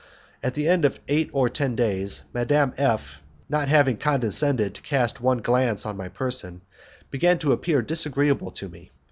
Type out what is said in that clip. At the end of eight or ten days, Madame F , not having condescended to cast one glance upon my person, began to appear disagreeable to me.